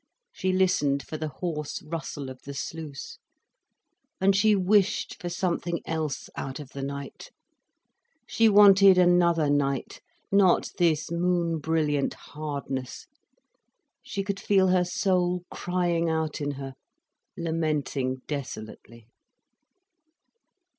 She listened for the hoarse rustle of the sluice. And she wished for something else out of the night, she wanted another night, not this moon brilliant hardness. She could feel her soul crying out in her, lamenting desolately.